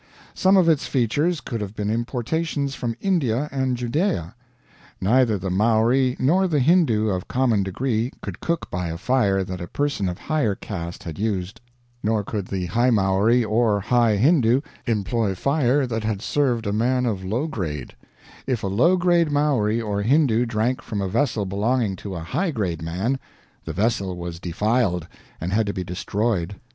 Some of its features could have been importations from India and Judea. Neither the Maori nor the Hindoo of common degree could cook by a fire that a person of higher caste had used, nor could the high Maori or high Hindoo employ fire that had served a man of low grade; if a low grade Maori or Hindoo drank from a vessel belonging to a high grade man, the vessel was defiled, and had to be destroyed.